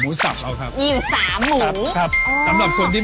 มีที่มาที่ไปยังไงคะชื่อร้าน